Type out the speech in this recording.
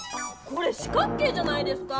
これ四角形じゃないですか！